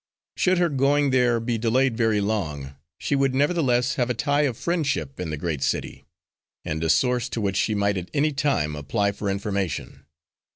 Should her going there be delayed very long, she would nevertheless have a tie of friendship in the great city, and a source to which she might at any time apply for information.